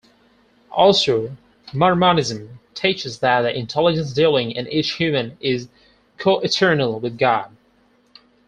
Also, Mormonism teaches that the intelligence dwelling in each human is coeternal with God.